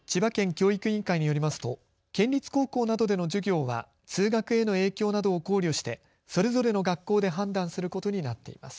教育委員会によりますと県立高校などでの授業は通学への影響などを考慮してそれぞれの学校で判断することになっています。